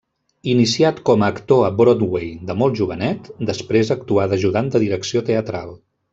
Iniciat com a actor a Broadway de molt jovenet, després actuà d'ajudant de direcció teatral.